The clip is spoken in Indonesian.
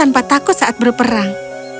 aku menepati janji tanpa takut saat berperang